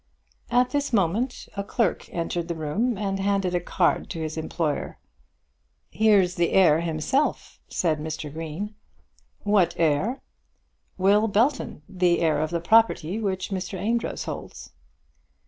At this moment a clerk entered the room and handed a card to his employer. "Here's the heir himself," said Mr. Green. "What heir?" "Will Belton; the heir of the property which Mr. Amedroz holds."